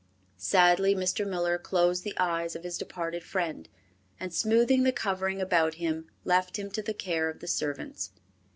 Sadly Mr. Miller closed the eyes of his departed friend, and smoothing the covering about him, left him to the care of the servants.